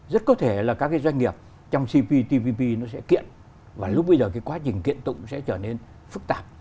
rất có thể là các cái doanh nghiệp trong cptpp nó sẽ kiện và lúc bây giờ cái quá trình kiện tụng sẽ trở nên phức tạp